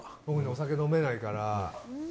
僕、お酒飲めないから。